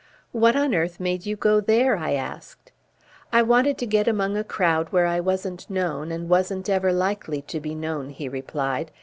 "What on earth made you go there?" I asked. "I wanted to get among a crowd where I wasn't known, and wasn't ever likely to be known," he replied.